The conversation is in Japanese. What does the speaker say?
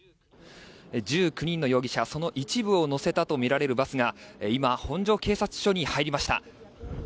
１９人の容疑者その一部を乗せたとみられるバスが今、本所警察署に入りました。